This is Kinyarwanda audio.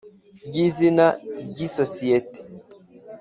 ry izina ry isosiyete